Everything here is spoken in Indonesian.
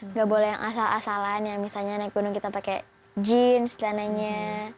nggak boleh yang asal asalan ya misalnya naik gunung kita pakai jeans celananya